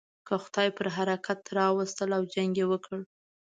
که خدای پر حرکت را وستل او جنګ یې وکړ.